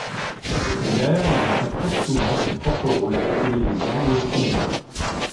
Très populaire, il interprète souvent son propre rôle à la télévision ou au cinéma.